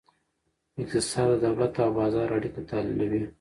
اقتصاد د دولت او بازار اړیکه تحلیلوي.